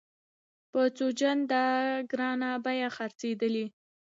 په څو چنده ګرانه بیه خرڅېدلې.